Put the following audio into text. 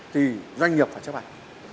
thì doanh nghiệp phải chấp ảnh